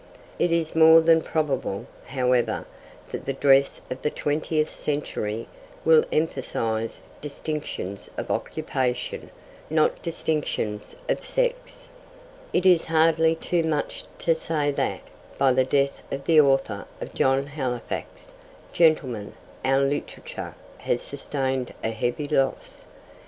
It is more than probable, however, that the dress of the twentieth century will emphasise distinctions of occupation, not distinctions of sex. It is hardly too much to say that, by the death of the author of John Halifax, Gentleman, our literature has sustained a heavy loss.